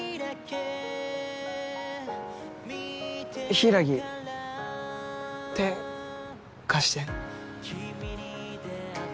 柊手貸して。